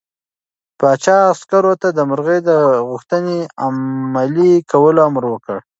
پاچا عسکرو ته د مرغۍ د غوښتنې د عملي کولو امر وکړ.